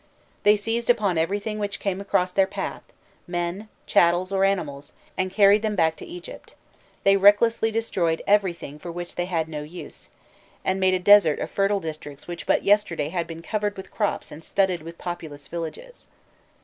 They seized upon everything which came across their path men, chattels, or animals and carried them back to Egypt; they recklessly destroyed everything for which they had no use, and made a desert of fertile districts which but yesterday had been covered with crops and studded with populous villages.